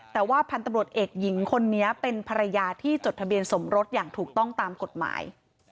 แต่ว่าพันธุ์ตำรวจเอกหญิงคนนี้เป็นภรรยาที่จดทะเบียนสมรสอย่างถูกต้องตามกฎหมาย